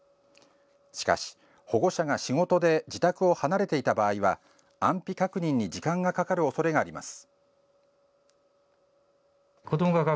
しかし、保護者が仕事で自宅を離れていた場合は安否確認に時間がかかるおそれがあります。